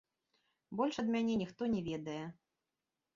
Больш ад мяне ніхто не ведае.